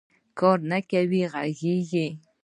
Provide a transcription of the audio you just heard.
کار نه کوې غږېږې